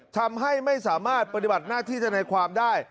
ทำให้ไม่สามารถปฏิบัติหน้าที่ธนายความได้